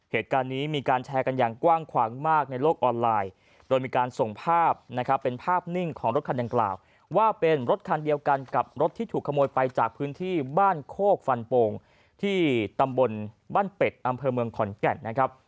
เหตุการณ์นี้มีการแชร์กันอย่างกว้างขวางมาก